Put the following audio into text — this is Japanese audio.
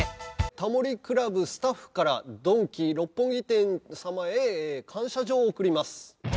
『タモリ倶楽部』スタッフからドンキ六本木店様へ感謝状を贈ります。